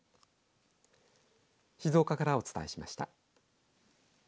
静岡からお伝えしました。